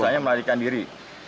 sisanya melarikan diri